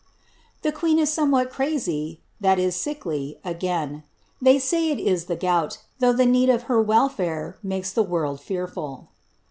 ^ The queen is somewhat crazy (sickly) again ; they say it is the gout, though the need of her welfare makes tiM world fearful.